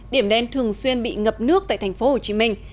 điểm đen thường xuyên bị ngập nước tại thành phố hồ chí minh